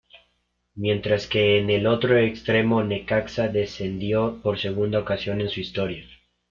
Mientras que en el otro extremo, Necaxa descendió por segunda ocasión en su historia.